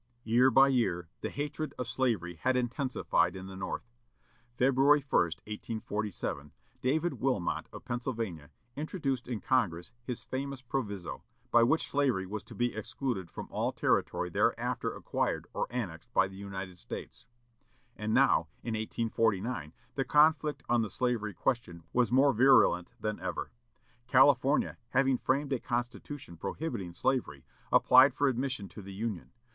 Year by year the hatred of slavery had intensified at the North. February 1, 1847, David Wilmot of Pennsylvania introduced in Congress his famous proviso, by which slavery was to be excluded from all territory thereafter acquired or annexed by the United States. And now, in 1849, the conflict on the slavery question was more virulent than ever. California, having framed a constitution prohibiting slavery, applied for admission to the Union.